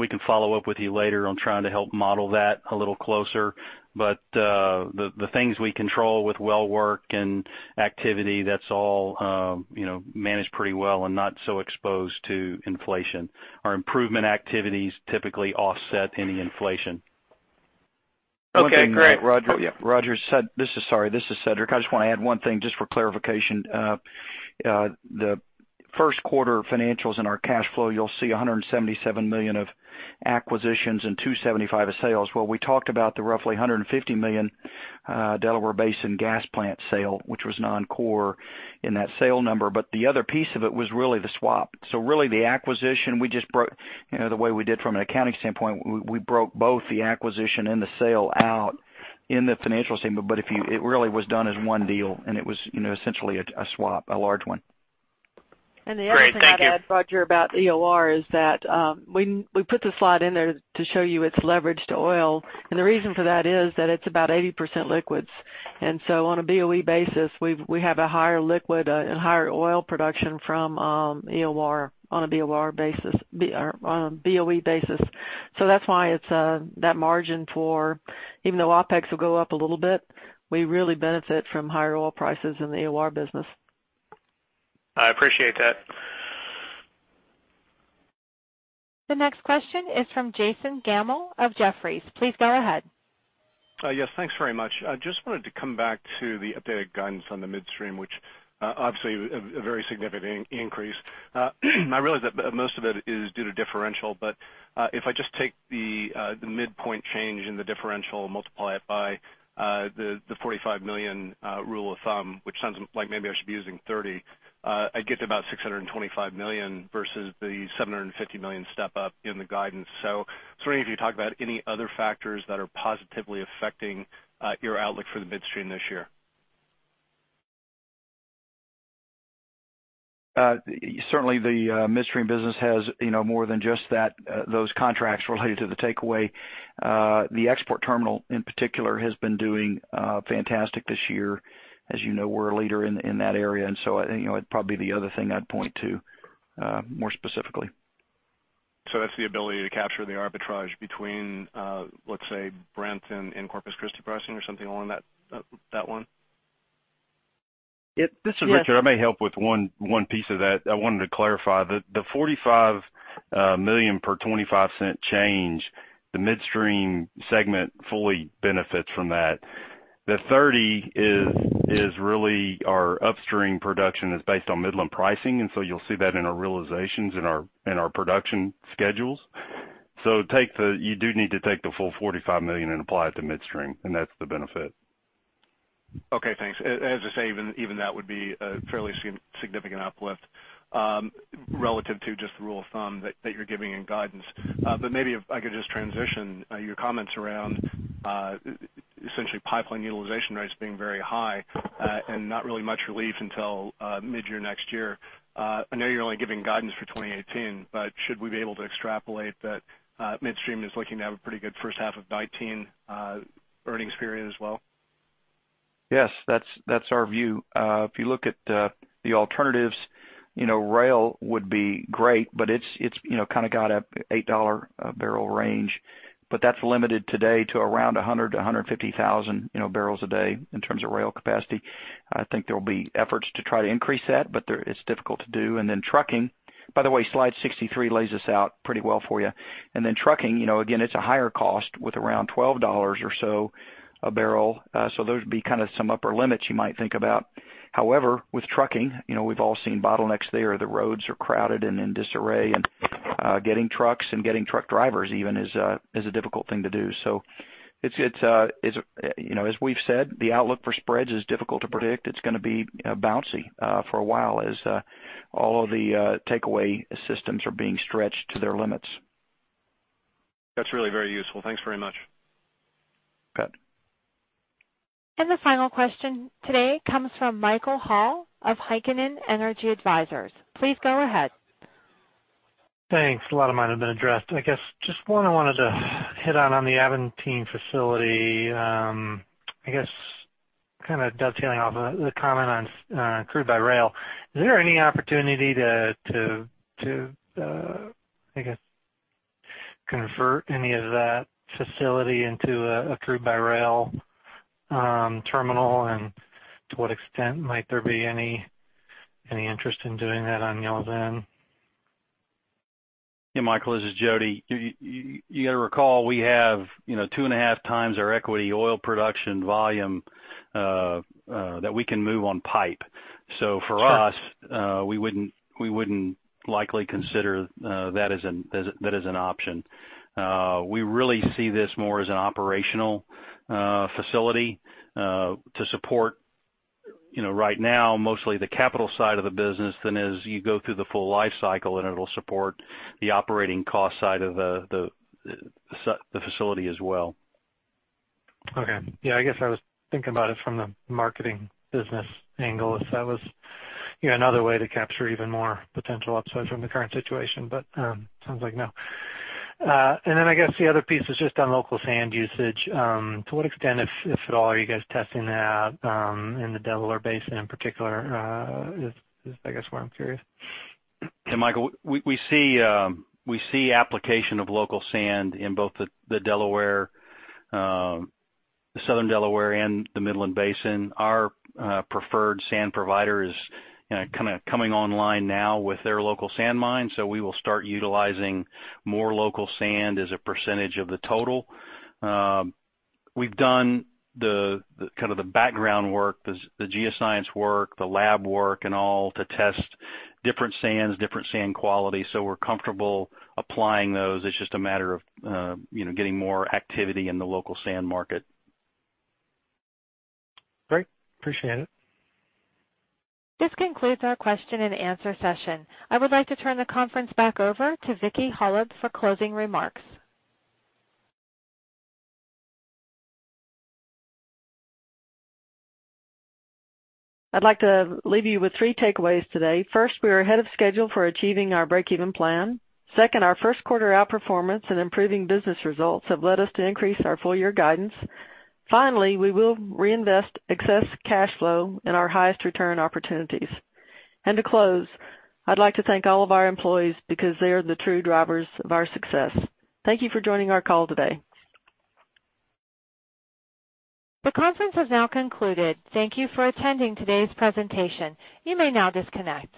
We can follow up with you later on trying to help model that a little closer. The things we control with well work and activity, that's all managed pretty well and not so exposed to inflation. Our improvement activities typically offset any inflation. Okay, great. Roger, sorry, this is Cedric. I just want to add one thing just for clarification. The first quarter financials in our cash flow, you'll see $177 million of acquisitions and $275 million of sales. We talked about the roughly $150 million Delaware Basin gas plant sale, which was non-core in that sale number. The other piece of it was really the swap. Really the acquisition, the way we did from an accounting standpoint, we broke both the acquisition and the sale out in the financial statement. It really was done as one deal, and it was essentially a swap, a large one. Great, thank you. The other thing I'd add, Roger, about EOR is that, we put the slide in there to show you it's leveraged to oil. The reason for that is that it's about 80% liquids. On a BOE basis, we have a higher liquid and higher oil production from EOR on a BOE basis. That's why that margin for, even though OpEx will go up a little bit, we really benefit from higher oil prices in the EOR business. I appreciate that. The next question is from Jason Gammel of Jefferies. Please go ahead. Yes, thanks very much. I just wanted to come back to the updated guidance on the midstream, which obviously a very significant increase. I realize that most of it is due to differential, but if I just take the midpoint change in the differential and multiply it by the $45 million rule of thumb, which sounds like maybe I should be using $30, I get to about $625 million versus the $750 million step-up in the guidance. Just wondering if you could talk about any other factors that are positively affecting your outlook for the midstream this year. Certainly the midstream business has more than just those contracts related to the takeaway. The export terminal in particular has been doing fantastic this year. As you know, we're a leader in that area, and so it'd probably be the other thing I'd point to more specifically. That's the ability to capture the arbitrage between, let's say, Brent and Corpus Christi pricing or something along that one? Yes. Richard, I may help with one piece of that. I wanted to clarify that the $45 million per $0.25 change, the midstream segment fully benefits from that. The $30 is really our upstream production is based on Midland pricing, you'll see that in our realizations in our production schedules. You do need to take the full $45 million and apply it to midstream, and that's the benefit. Okay, thanks. As I say, even that would be a fairly significant uplift relative to just the rule of thumb that you're giving in guidance. Maybe if I could just transition your comments around essentially pipeline utilization rates being very high and not really much relief until mid-year next year. I know you're only giving guidance for 2018, but should we be able to extrapolate that midstream is looking to have a pretty good first half of 2019 earnings period as well? Yes, that's our view. If you look at the alternatives, rail would be great, but it's kind of got an $8 barrel range. That's limited today to around 100,000 to 150,000 barrels a day in terms of rail capacity. I think there will be efforts to try to increase that, but it's difficult to do. By the way, slide 63 lays this out pretty well for you. Then trucking, again, it's a higher cost with around $12 or so a barrel. Those would be kind of some upper limits you might think about. However, with trucking, we've all seen bottlenecks there. The roads are crowded and in disarray, and getting trucks and getting truck drivers even is a difficult thing to do. As we've said, the outlook for spreads is difficult to predict. It's going to be bouncy for a while as all of the takeaway systems are being stretched to their limits. That's really very useful. Thanks very much. You bet. The final question today comes from Michael Hall of Heikkinen Energy Advisors. Please go ahead. Thanks. A lot of mine have been addressed. Just one I wanted to hit on the Aventine facility, kind of dovetailing off the comment on crude by rail. Is there any opportunity to convert any of that facility into a crude by rail terminal? To what extent might there be any interest in doing that on y'all's end? Yeah, Michael, this is Jody. You got to recall, we have two and a half times our equity oil production volume that we can move on pipe. Sure. For us, we wouldn't likely consider that as an option. We really see this more as an operational facility to support, right now, mostly the capital side of the business, than as you go through the full life cycle, and it'll support the operating cost side of the facility as well. Okay. Yeah, I was thinking about it from the marketing business angle, if that was another way to capture even more potential upside from the current situation. Sounds like no. The other piece is just on local sand usage. To what extent, if at all, are you guys testing that in the Delaware Basin in particular? Is where I'm curious. Michael, we see application of local sand in both the Southern Delaware and the Midland Basin. Our preferred sand provider is kind of coming online now with their local sand mine, so we will start utilizing more local sand as a percentage of the total. We've done kind of the background work, the geoscience work, the lab work, and all to test different sands, different sand quality. We're comfortable applying those. It's just a matter of getting more activity in the local sand market. Great. Appreciate it. This concludes our question and answer session. I would like to turn the conference back over to Vicki Hollub for closing remarks. I'd like to leave you with three takeaways today. First, we are ahead of schedule for achieving our breakeven plan. Second, our first quarter outperformance and improving business results have led us to increase our full-year guidance. Finally, we will reinvest excess cash flow in our highest return opportunities. To close, I'd like to thank all of our employees, because they are the true drivers of our success. Thank you for joining our call today. The conference has now concluded. Thank you for attending today's presentation. You may now disconnect.